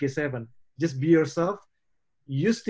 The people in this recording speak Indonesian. hanya jadi diri sendiri